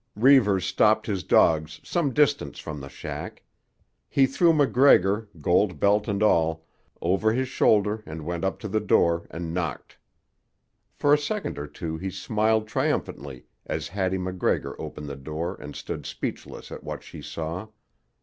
Reivers stopped his dogs some distance from the shack. He threw MacGregor, gold belt and all, over his shoulder and went up to the door and knocked. For a second or two he smiled triumphantly as Hattie MacGregor opened the door and stood speechless at what she saw.